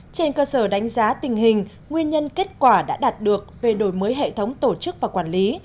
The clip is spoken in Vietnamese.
trên cơ sở đánh giá tình hình nguyên nhân kết quả đã đạt được về đổi mới hệ thống tổ chức và quản lý